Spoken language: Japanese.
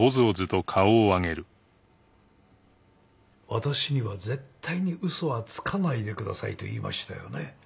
私には絶対に嘘はつかないでくださいと言いましたよね？